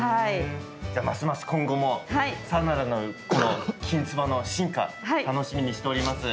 ますます今後もさらなるこの、きんつばの進化楽しみにしております。